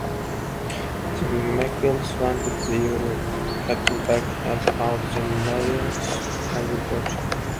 The MacAuleys wanted their cattle back and found the Morrisons in the broch.